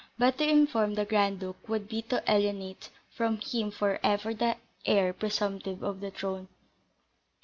But to inform the Grand Duke would be to alienate from him for ever the heir presumptive to the throne.